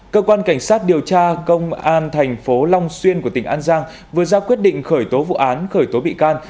cơ quan cảnh sát điều tra công an thành phố long xuyên của tỉnh an giang vừa ra quyết định khởi tố vụ án khởi tố bị can